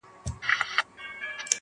جونګړه د زمرو ده څوک به ځي څوک به راځي!